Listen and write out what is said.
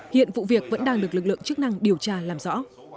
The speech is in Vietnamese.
hiện vụ việc vẫn đang được lực lượng chức năng điều tra làm rõ